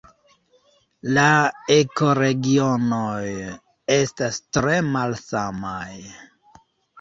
La ekoregionoj estas tre malsamaj.